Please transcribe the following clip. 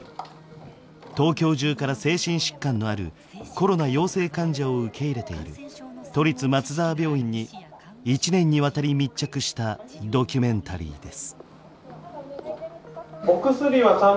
東京中から精神疾患のあるコロナ陽性患者を受け入れている都立松沢病院を１年にわたり密着したドキュメンタリーです。